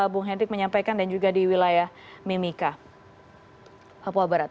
bung hendrik menyampaikan dan juga di wilayah mimika papua barat